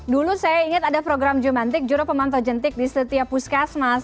dulu saya ingat ada program jumantik juru pemantau jentik di setiap puskesmas